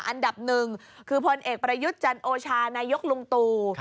อันดับหนึ่งคือพลเอกประยุทธ์จันโอชานายกลุงตู่